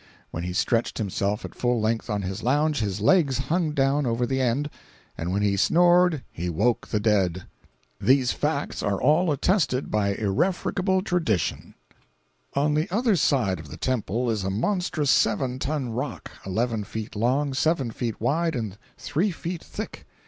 When he stretched himself at full length on his lounge, his legs hung down over the end, and when he snored he woke the dead. These facts are all attested by irrefragable tradition. 529.jpg (86K) On the other side of the temple is a monstrous seven ton rock, eleven feet long, seven feet wide and three feet thick.